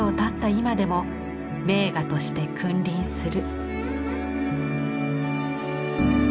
今でも名画として君臨する。